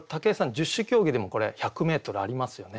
十種競技でもこれ１００メートルありますよね？